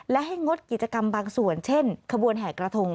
และให้งดกิจกรรมบางส่วนเช่นขบวนแห่กระทง